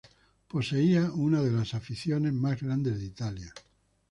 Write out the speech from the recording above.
Poseía una de las aficiones más grandes de Italia.